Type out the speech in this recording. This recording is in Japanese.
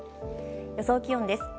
予想気温です。